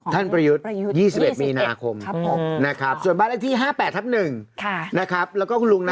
ประยุทธ์๒๑มีนาคมนะครับส่วนบ้านเลขที่๕๘ทับ๑นะครับแล้วก็คุณลุงนะ